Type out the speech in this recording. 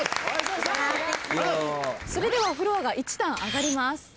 それではフロアが１段上がります。